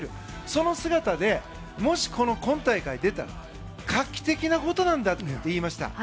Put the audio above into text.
その姿でもし今大会、出たら画期的なことなんだって言いました。